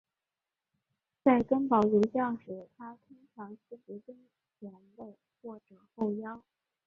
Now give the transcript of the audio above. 在根宝足校时他通常司职中前卫或者后腰。